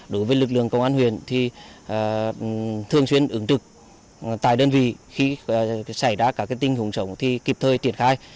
đối với lực lượng công an huyền thì thường xuyên ứng trực tại đơn vị khi xảy ra các tinh hùng sổng thì kịp thời triển khai